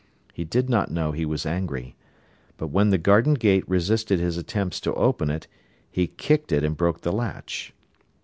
He did not know he was angry. But when the garden gate resisted his attempts to open it, he kicked it and broke the latch.